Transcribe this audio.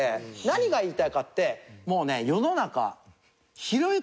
何が言いたいかってもうね世の中。